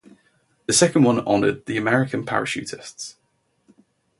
The second one honoured the American parachutists.